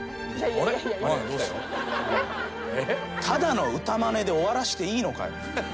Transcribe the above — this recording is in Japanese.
ただの歌まねで終わらせていいのかよ。